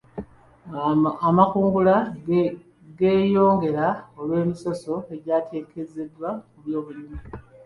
Amakungula geeyongera olw'emisoso egyakendeezebwa ku by'obulimi.